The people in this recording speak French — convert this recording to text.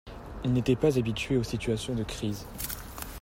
Il n’était pas habitué aux situations de crise.